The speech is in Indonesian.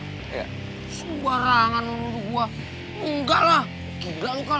berapa rangan lo menurut gue enggak lah gila lo kal